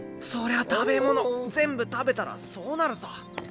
そりゃ食べ物全部食べたらそうなるさ。